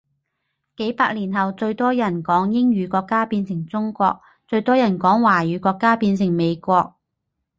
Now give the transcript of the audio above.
幾百年後最人多講英語國家變成中國，最多人講華語國家變成美國